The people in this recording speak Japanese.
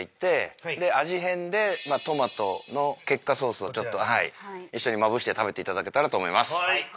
で味変でトマトのケッカソースをちょっと一緒にまぶして食べていただけたらと思います。